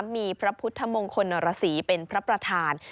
มีพระพุทธมงคลนรสีเป็นพระประธาน